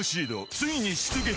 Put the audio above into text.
ついに出撃！